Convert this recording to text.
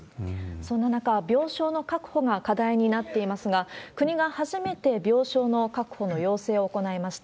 そんな中、病床の確保が課題になっていますが、国が初めて病床の確保の要請を行いました。